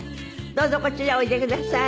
どうぞこちらへおいでください。